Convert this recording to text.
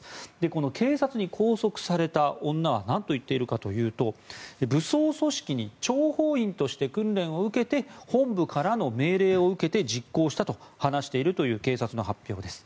この警察に拘束された女は何と言っているかというと武装組織に諜報員として訓練を受けて本部からの命令を受けて実行したと話しているという警察の発表です。